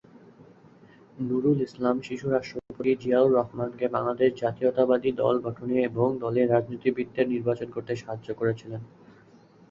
নুরুল ইসলাম শিশু রাষ্ট্রপতি জিয়াউর রহমানকে বাংলাদেশ জাতীয়তাবাদী দল গঠনে এবং দলে রাজনীতিবিদদের নির্বাচন করতে সাহায্য করেছিলেন।